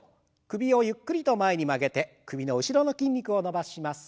首をゆっくりと前に曲げて首の後ろの筋肉を伸ばします。